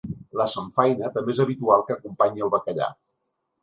La samfaina també és habitual que acompanyi el bacallà.